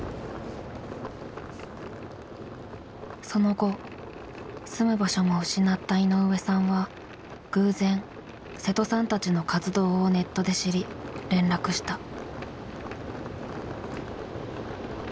その後住む場所も失った井上さんは偶然瀬戸さんたちの活動をネットで知り連絡した。